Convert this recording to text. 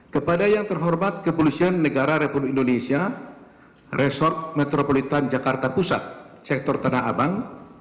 kepada yang terhormat kepolisian negara republik indonesia resort metropolitan jakarta pusat sektor tanah abang